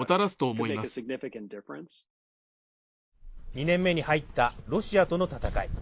２年目に入ったロシアとの戦い。